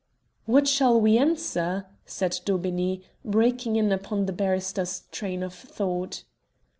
"What shall we answer?" said Daubeney, breaking in upon the barrister's train of thought.